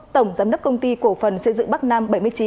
tổng giám đốc công ty cổ phần xây dựng bắc nam bảy mươi chín